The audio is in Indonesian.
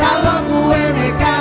balikin oh oh balikin